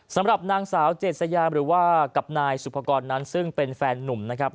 สำหรับนางสาวเจษยาหรือว่ากับนายสุภกรนั้นซึ่งเป็นแฟนนุ่มนะครับ